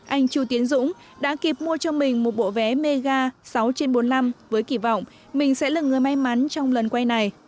anh chu tiến dũng đã kịp mua cho mình một bộ vé mega sáu trên bốn mươi năm với kỳ vọng mình sẽ là người may mắn trong lần quay này